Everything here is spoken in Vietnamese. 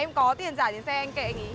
em có tiền rả tiền xe anh kệ anh ý